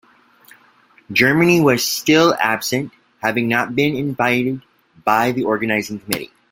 Germany was still absent, having not been invited by the Organizing Committee.